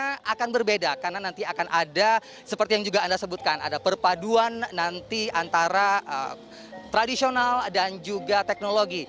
karena akan berbeda karena nanti akan ada seperti yang juga anda sebutkan ada perpaduan nanti antara tradisional dan juga teknologi